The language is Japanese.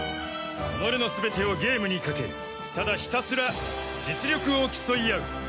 己のすべてをゲームにかけただひたすら実力を競い合う。